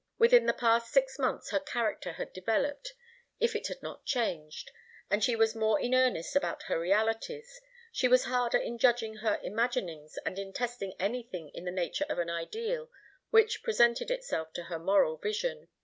Within the past six months her character had developed, if it had not changed, and if she was more in earnest about her realities, she was harder in judging her imaginings and in testing anything in the nature of an ideal which presented itself to her moral vision.